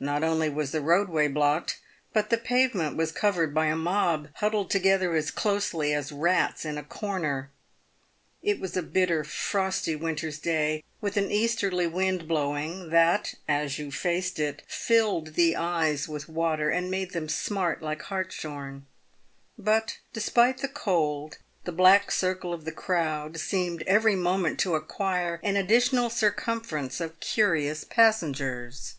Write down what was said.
Not only was the roadway blocked, but the pavement was covered by a mob, huddled together as closely as rats in a corner. It was a bitter, frosty winter's day, with an easterly wind blowing, that, as you faced it, filled the eyes with water, and made them smart like hartshorn ; but, despite the cold, the black circle of the crowd seemed every moment to acquire an additional circumference of curious pas sengers.